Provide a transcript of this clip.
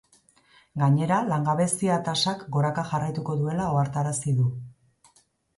Gainera, langabezia-tasak goraka jarraituko duela ohartarazi du.